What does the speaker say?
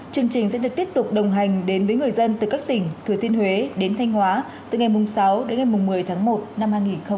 chương trình sẽ được tiếp tục đồng hành đến với người dân từ các tỉnh thừa thiên huế đến thanh hóa từ ngày sáu đến ngày một mươi tháng một năm hai nghìn hai mươi